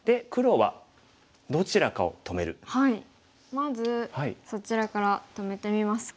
まずそちらから止めてみますか？